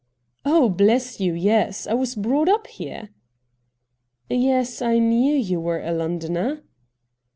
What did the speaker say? * Oh, bless you, yes — I was brought up here.' ' Yes, I knew you were a Londoner.'